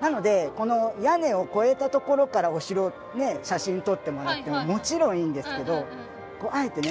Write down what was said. なのでこの屋根を越えたところからお城をね写真撮ってもらってももちろんいいんですけどあえてね